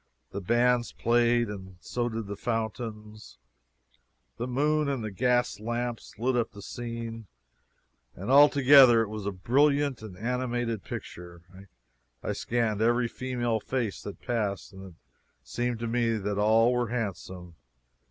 The bands played, and so did the fountains; the moon and the gas lamps lit up the scene, and altogether it was a brilliant and an animated picture. I scanned every female face that passed, and it seemed to me that all were handsome.